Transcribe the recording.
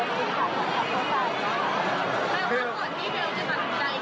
คุณผู้สามารถได้คิดคุณผู้สามารถได้คิด